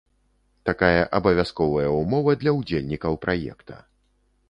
Такая абавязковая ўмова для ўдзельнікаў праекта.